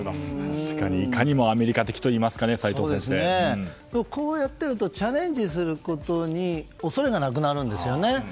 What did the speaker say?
確かに、いかにもアメリカ的といいますかねこうやってみるとチャレンジすることに恐れがなくなるんですね。